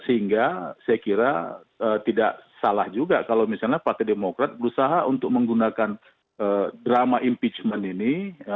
sehingga saya kira tidak salah juga kalau misalnya partai demokrat berusaha untuk menggunakan drama impeachment ini